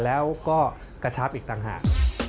แล้วก็กระชับอีกต่างหาก